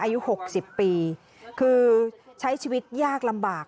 อายุ๖๐ปีคือใช้ชีวิตยากลำบาก